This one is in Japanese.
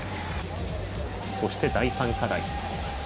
そして、第３課題。